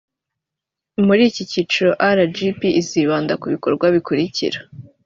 muri iki kiciro rgb izibanda ku bikorwa bikurikira